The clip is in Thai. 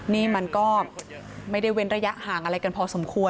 นี่มันก็ไม่ได้เว้นระยะห่างอะไรกันพอสมควร